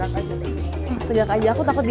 hewan hewan disini juga bisa diajak foto bareng loh